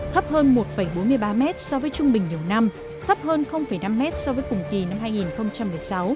thấp hơn một bốn mươi ba mét so với trung bình nhiều năm thấp hơn năm mét so với cùng kỳ năm hai nghìn một mươi sáu